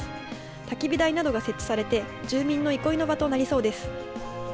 たき火台などが設置されて、住民の憩いの場となりそうです。